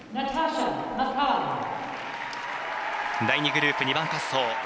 第２グループ、２番滑走。